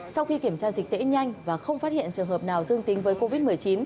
sau khi kiểm tra dịch tễ nhanh và không phát hiện trường hợp nào dương tính với covid một mươi chín